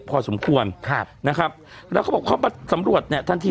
พอสมควรครับนะครับแล้วเขาบอกเขามาสำรวจเนี่ยทันที